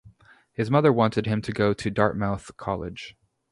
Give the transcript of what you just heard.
His mother wanted him to go to Dartmouth College.